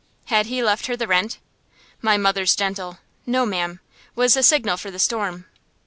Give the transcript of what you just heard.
Had he left her the rent? My mother's gentle "No, ma'am" was the signal for the storm.